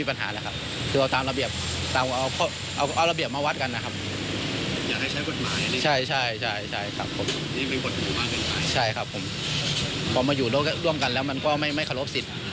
พอมาอยู่ด้วงกันไม่เคารพสิทธิ์